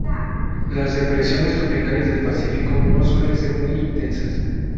Las depresiones tropicales del Pacífico no suelen ser muy intensas.